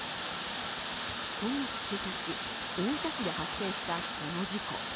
今月１日、大分市で発生したこの事故。